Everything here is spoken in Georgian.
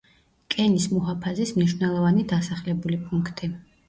კენის მუჰაფაზის მნიშვნელოვანი დასახლებული პუნქტი.